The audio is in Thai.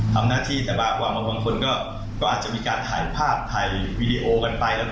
ทำหน้าที่แต่บางความบางคนก็อาจจะมีการถ่ายภาพถ่ายวีดีโอกันไป